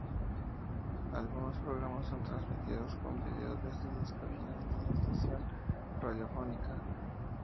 Algunos programas son transmitidos con vídeo desde las cabinas de la estación radiofónica.